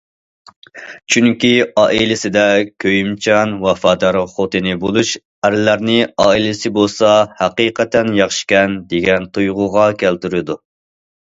چۈنكى ئائىلىسىدە كۆيۈمچان، ۋاپادار خوتۇنى بولۇش ئەرلەرنى ئائىلىسى بولسا ھەقىقەتەن ياخشىكەن، دېگەن تۇيغۇغا كەلتۈرىدۇ.